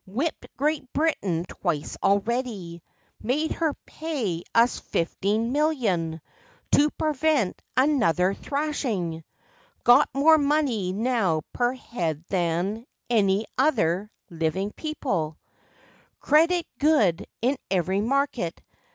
Whipped Great Britain twice already! Made her pay us fifteen million To prevent another thrashing ! Got more money now per head than Any other living people ! FACTS AND FANCIES. Credit good in every market!